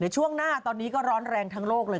ช่วงหน้าตอนนี้ก็ร้อนแรงทั้งโลกเลย